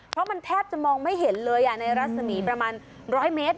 เพราะมันแทบจะมองไม่เห็นเลยในรัศมีประมาณ๑๐๐เมตร